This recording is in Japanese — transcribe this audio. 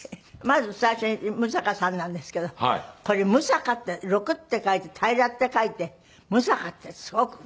まず最初に六平さんなんですけどこれ六平って「六」って書いて「平」って書いて「むさか」ってすごく。